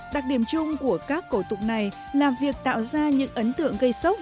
đặc điểm chung của các cổ tục này là việc tạo ra những ấn tượng gây sốc